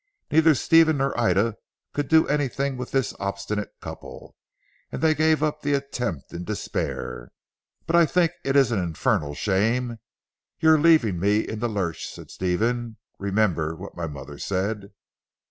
Neither Stephen nor Ida could do anything with this obstinate couple, and they gave up the attempt in despair. "But I think it is an infernal shame your leaving me in the lurch," said Stephen, "remember what my mother said!"